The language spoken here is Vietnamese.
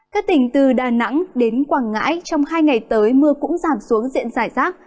các tỉnh từ đà nẵng đến quảng ngãi trong hai ngày tới mưa cũng giảm xuống diện giải rác